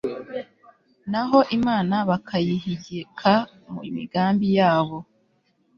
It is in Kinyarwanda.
naho imana bakayihigika mu migambi yabo